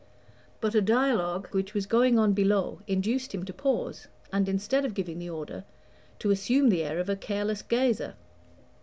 But a dialogue which was going on below induced him to pause, and instead of giving the order, to assume the air of a careless gazer.